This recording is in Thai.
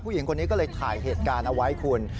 ผู้หญิงคนนี้ก็เลยถ่ายเหตุการณ์เอาไว้คุณ